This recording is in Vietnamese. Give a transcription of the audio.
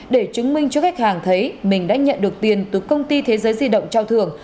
để chứng minh cho khách hàng thấy mình đã nhận được tiền từ công ty thế giới di động trao thưởng